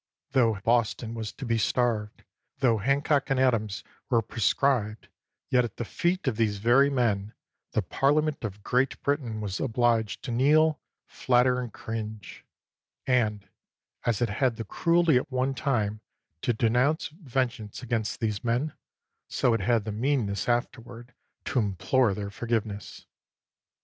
Tho Boston was to be starved, tho Hancock and Adams were proscribed, yet at the feet of these very men the Parliament of Great Britain was obliged to kneel, flatter, and cringe; and,, as it had the cruelty at one time to denounce vengeance against these men, so it had the meanness afterward to implore their forgiveness.